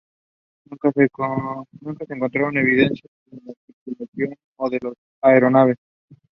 He is the father of the wind musician and composer Armin Suppan.